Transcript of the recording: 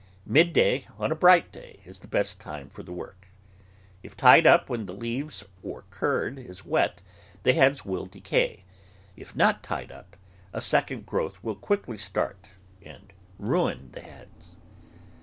]Mid day, on a bright day, is the best time for the work. If tied up when the leaves or curd is wet, the heads will decay; if not tied up, a second groAvth will quickly start and ruin the heads.